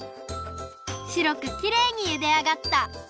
しろくきれいにゆであがった！